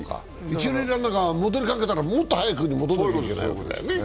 一塁ランナーが戻りかけたらもっと早くに戻らないといけないね。